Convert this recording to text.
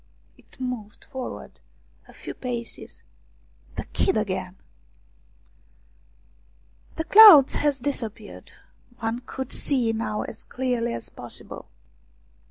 It moved forward a few paces the kid again ! The clouds had dispersed. One could see now as clearly as possible.